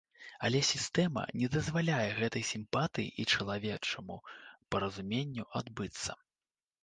Але сістэма не дазваляе гэтай сімпатыі і чалавечаму паразуменню адбыцца.